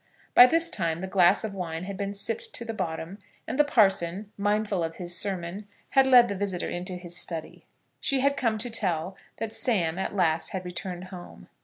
By this time the glass of wine had been sipped to the bottom, and the parson, mindful of his sermon, had led the visitor into his study. She had come to tell that Sam at last had returned home.